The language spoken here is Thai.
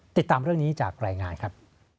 ติดตามเรื่องนี้จากรายงานครับ